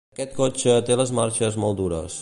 Aquest cotxe té les marxes molt dures.